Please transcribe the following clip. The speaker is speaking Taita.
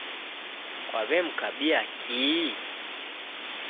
Kwaw'emkabia kihi?